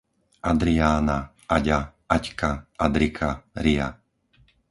Adriána, Aďa, Aďka, Adrika, Ria